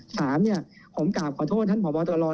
สามผมกล่าวขอโทษท่านผวบบตัวรอบ